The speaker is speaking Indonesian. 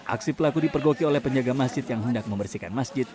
aksi pelaku dipergoki oleh penjaga masjid yang hendak membersihkan masjid